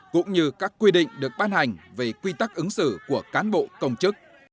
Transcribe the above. cũng như các quy định được ban hành về quy tắc ứng xử của cán bộ công chức